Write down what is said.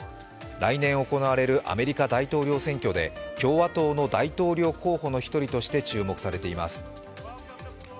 来年行われるアメリカ大統領選挙で共和党の大統領候補の一人として注目されています。